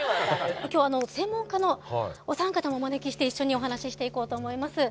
今日は専門家のお三方もお招きして一緒にお話ししていこうと思います。